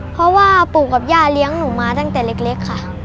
เพราะว่าปู่กับย่าเลี้ยงหนูมาตั้งแต่เล็กค่ะ